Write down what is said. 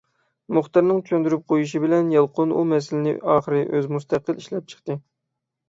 مۇختەرنىڭ چۈشەندۈرۈپ قويۇشى بىلەن يالقۇن ئۇ مەسىلىنى ئاخىر ئۆزى مۇستەقىل ئىشلەپ چىقتى.